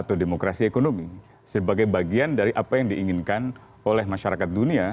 atau demokrasi ekonomi sebagai bagian dari apa yang diinginkan oleh masyarakat dunia